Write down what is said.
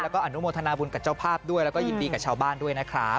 แล้วก็อนุโมทนาบุญกับเจ้าภาพด้วยแล้วก็ยินดีกับชาวบ้านด้วยนะครับ